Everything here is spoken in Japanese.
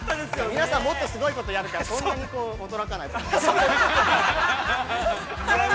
◆皆さんもっとすごいことをやるからそんなに驚かない。